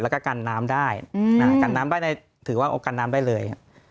แล้วก็กันน้ำได้ถือว่ากันน้ำได้เลย